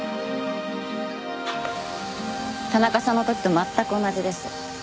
田中さんの時と全く同じです。